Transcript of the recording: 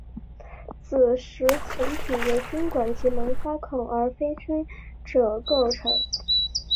子实层体由菌管及萌发孔而非菌褶构成。